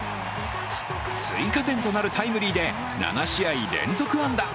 追加点となるタイムリーで７試合連続安打。